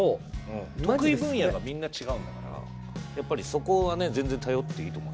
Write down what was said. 得意分野がみんな違うんだからそこは全然、頼っていいと思う。